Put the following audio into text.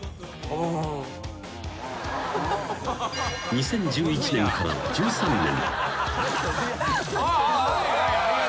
［２０１１年から１３年］